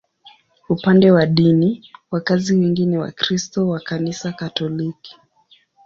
Upande wa dini, wakazi wengi ni Wakristo wa Kanisa Katoliki.